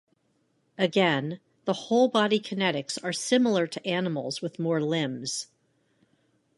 Again, the whole-body kinetics are similar to animals with more limbs.